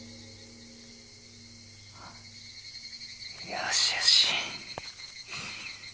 よしよし。